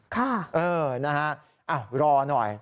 ค่ะเออนะฮะรอหน่อย